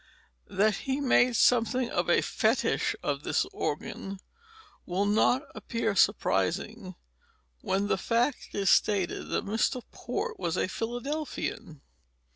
That he made something of a fetich of this organ will not appear surprising when the fact is stated that Mr. Port was a Philadelphian.